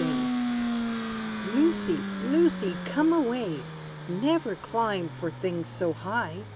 =Fanny Spy= Lucy, Lucy, come away! Never climb for things so high.